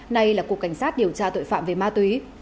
nay là cục cảnh sát điều tra tội phạm về ma túy